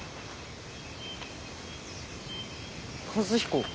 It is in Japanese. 和彦。